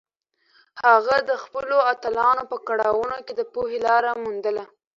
هغه د خپلو اتلانو په کړاوونو کې د پوهې لاره موندله.